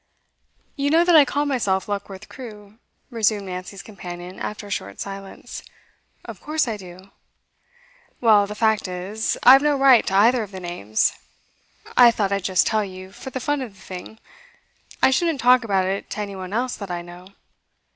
'You know that I call myself Luckworth Crewe,' resumed Nancy's companion after a short silence. 'Of course I do.' 'Well, the fact is, I've no right to either of the names. I thought I'd just tell you, for the fun of the thing; I shouldn't talk about it to any one else that I know.